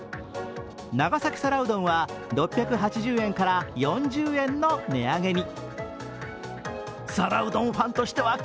長崎皿うどんは６８０円から４０円の値上げに。